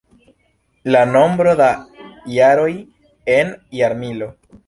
La nombro da jaroj en jarmilo.